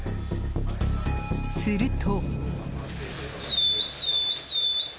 すると。